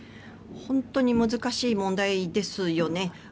本当に難しい問題ですよね。